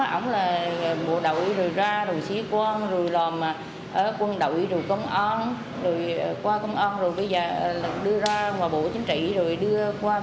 ông là bộ đội rồi ra rồi xí quân rồi lòm quân đội rồi công an rồi qua công an rồi bây giờ đưa ra ngoại bộ chính trị rồi đưa qua